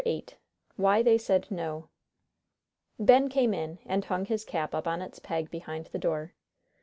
VIII WHY THEY SAID NO Ben came in and hung his cap up on its peg behind the door.